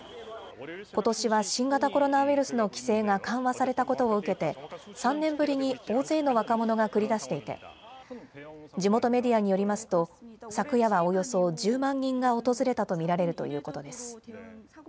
ことしは新型コロナウイルスの規制が緩和されたことを受けて、３年ぶりに大勢の若者が繰り出していて、地元メディアによりますと、昨夜はおよそ１０万人が訪れたと見られるということです。